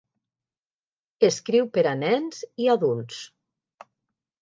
Escriu per a nens i adults.